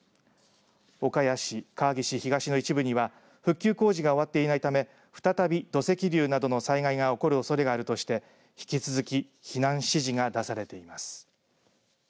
岡谷市川岸東の一部には復旧工事が終わっていないため再び土石流などの災害が起こるおそれがあるとして引き続き避難指示が出されています。